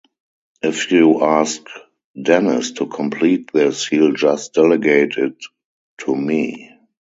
If you ask Denis to complete this, he'll just delegate it to me.